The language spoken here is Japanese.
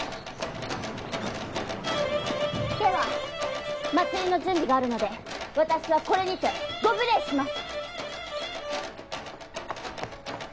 では祭りの準備があるので私はこれにてご無礼します。